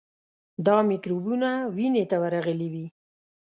دا میکروبونه وینې ته ورغلي وي.